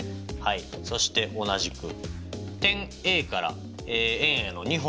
そして同じく点Ａから円への２本の接線